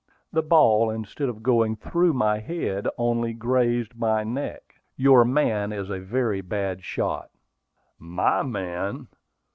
"The ball, instead of going through my head, only grazed my neck. Your man is a very bad shot." "My man!